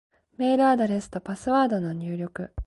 メールアドレスとパスワードの入力